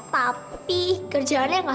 tapi kerjaannya gak ada